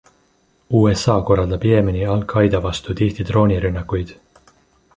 USA korraldab Jeemeni Al-Qaeda vastu tihti droonirünnakuid.